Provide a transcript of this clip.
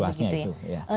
luasnya itu ya